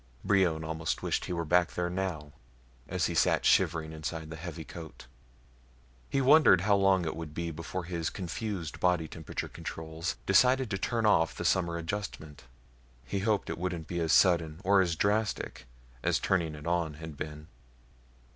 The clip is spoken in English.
Brion almost wished he were back there now, as he sat shivering inside the heavy coat. He wondered how long it would be before his confused body temperature controls decided to turn off the summer adjustment. He hoped it wouldn't be as sudden or as drastic as turning it on had been.